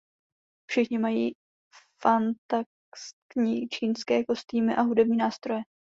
Všichni mají fantaskní čínské kostýmy a hudební nástroje.